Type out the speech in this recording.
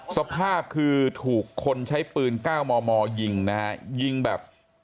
สภาพคือถูกคนใช้ปืน๙มมยิงนะฮะยิงแบบ